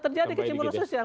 terjadi kecemburuan sosial